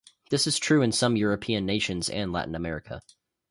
This is true in some European nations and Latin America.